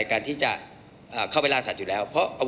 มีการที่จะพยายามติดศิลป์บ่นเจ้าพระงานนะครับ